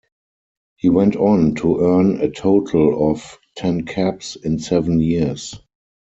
He went on to earn a total of ten caps, in seven years.